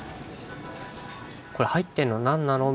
「これ入ってんの何なの？」